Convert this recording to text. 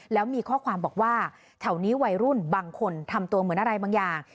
แล้วมีข้อความบอกว่าแถวนี้วัยรุ่นบางคนทำตัวเหมือนอะไรบางอย่าง